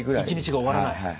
一日が終わらない。